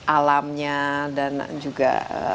alamnya dan juga